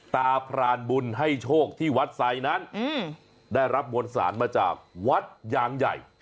พรานบุญให้โชคที่วัดไซดนั้นได้รับมวลสารมาจากวัดยางใหญ่